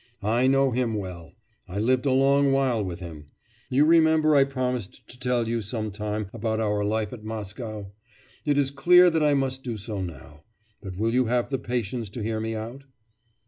I know him well: I lived a long while with him. You remember I promised to tell you some time about our life at Moscow. It is clear that I must do so now. But will you have the patience to hear me out?